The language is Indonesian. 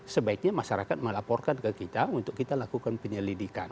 sebaiknya masyarakat melaporkan ke kita untuk kita lakukan penyelidikan